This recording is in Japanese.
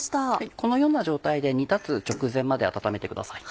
このような状態で煮立つ直前まで温めてください。